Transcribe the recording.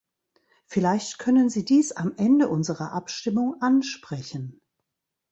Vielleicht können Sie dies am Ende unserer Abstimmung ansprechen.